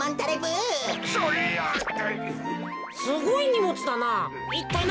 すごいにもつだな。